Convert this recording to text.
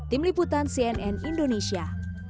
tim liputan cnn indonesia